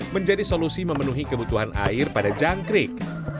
menjadi solusi memenuhi kebutuhan air pada jangkrik